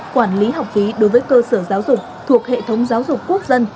quản lý học phí đối với cơ sở giáo dục thuộc hệ thống giáo dục quốc dân